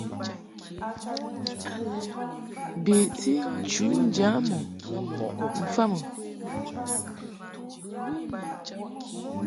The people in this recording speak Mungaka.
Beti nchu njam ɔ mfa mɨ.